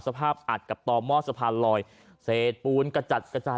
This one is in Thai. สภาพอัดกับต่อหม้อสะพานลอยเศษปูนกระจัดกระจาย